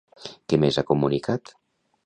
Què més ha comunicat?